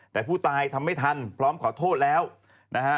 แต่ผู้ตายทำไม่ทันพร้อมขอโทษแล้วนะฮะ